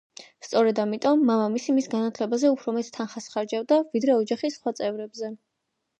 სწორედ ამიტომ, მამამისი მის განათლებაზე უფრო მეტ თანხას ხარჯავდა, ვიდრე ოჯახის სხვა წევრებზე.